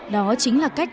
đó chính là cách